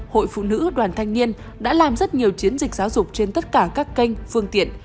hội phụ nữ đoàn thanh niên đã làm rất nhiều chiến dịch giáo dục trên tất cả các kênh phương tiện